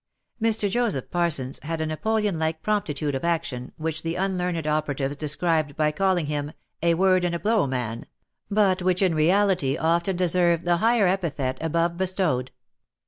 Mr. Joseph Parsons had a Napoleon like promptitude of action, which the unlearned operatives described by calling him " a word and a blow man," but which in reality often deserved the higher epithet above bestowed.